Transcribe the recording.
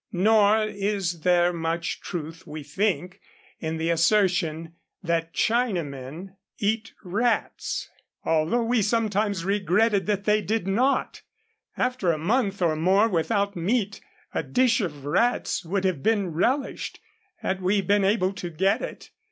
Nor is there much truth, we think, in the assertion that Chinamen 148 Across Asia on a Bicycle eat rats, although we sometimes regretted that they did not. After a month or more without meat a dish of rats would have been relished, had we been able to get it.